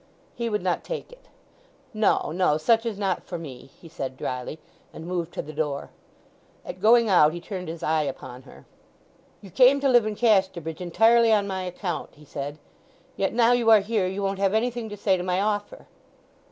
He would not take it. "No, no; such is not for me," he said drily, and moved to the door. At going out he turned his eye upon her. "You came to live in Casterbridge entirely on my account," he said. "Yet now you are here you won't have anything to say to my offer!"